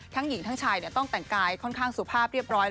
หญิงทั้งชายต้องแต่งกายค่อนข้างสุภาพเรียบร้อย